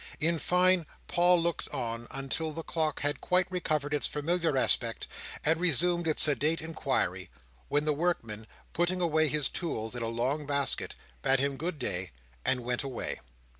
In fine, Paul looked on, until the clock had quite recovered its familiar aspect, and resumed its sedate inquiry; when the workman, putting away his tools in a long basket, bade him good day, and went away.